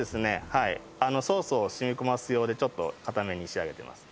はいソースを染み込ます用でちょっと硬めに仕上げてます